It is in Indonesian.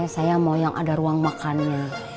saya mau yang ada ruang makannya